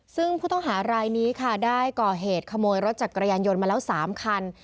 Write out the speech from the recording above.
ซึ่งผู้ต้องหารายนี้ค่ะได้ก่อเหตุขโมยรถจักรยานยนต์มาแล้ว๓คัน